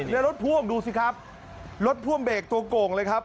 แล้วรถพ่วงดูสิครับรถพ่วงเบรกตัวโก่งเลยครับ